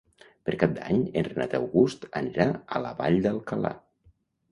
Per Cap d'Any en Renat August anirà a la Vall d'Alcalà.